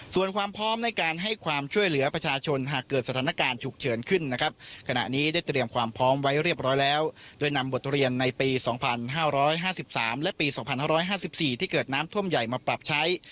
ส่วนความพร้อมในการให้ความช่วยเหลือประชาชนหากเกิดสถานการณ์ฉุกเฉินขึ้นนะครับขณะนี้ได้เตรียมความพร้อมไว้เรียบร้อยแล้วโดยนำบทเรียนในปี๒๕๕๓และปี๒๕๕๔ที่เกิดน้ำท่วมใหญ่มาปรับใช้